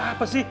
ini ada apa sih